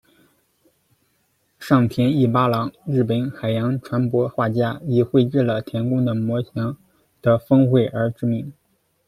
上田毅八郎，日本海洋船舶画家，以绘制了田宫的模型的封绘而知名。